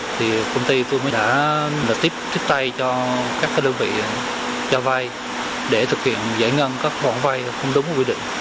thì công ty tôi mới đã tiếp tay cho các đơn vị cho vay để thực hiện giải ngân các khoản vay không đúng quy định